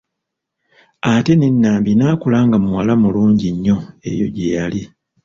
Ate ne Nambi n'akula nga muwala mulungi nnyo eyo gy'eyali.